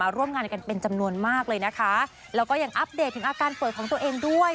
ร่วมงานกันเป็นจำนวนมากเลยนะคะแล้วก็ยังอัปเดตถึงอาการเปิดของตัวเองด้วย